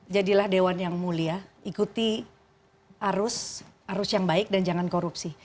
jadilah dewan yang mulia ikuti arus arus yang baik dan jangan korupsi